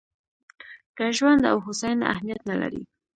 که ژوند او هوساینه اهمیت نه لري.